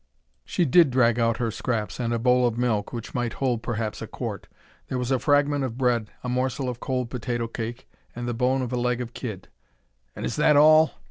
She did drag out her scraps and a bowl of milk, which might hold perhaps a quart. There was a fragment of bread, a morsel of cold potato cake, and the bone of a leg of kid. "And is that all?"